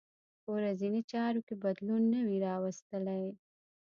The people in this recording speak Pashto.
په ورځنۍ چارو کې بدلون نه وي راوستلی.